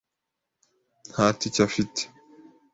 Nta tike afite.